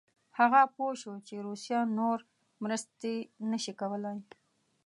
هغه پوه شو چې روسیه نور مرستې نه شي کولای.